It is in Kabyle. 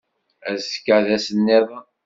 Azekka d ass nniḍen.